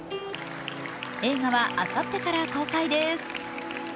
映画は、あさってから公開です。